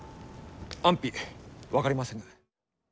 安否分かりませぬ。